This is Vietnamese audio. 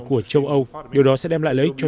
của châu âu điều đó sẽ đem lại lợi ích cho